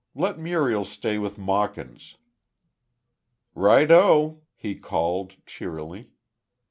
Let Muriel stay with Mawkins." "Right, oh!" he called, cheerily.